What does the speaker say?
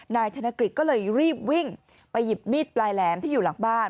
นายกธนกฤษก็เลยรีบวิ่งไปหยิบมีดปลายแหลมที่อยู่หลังบ้าน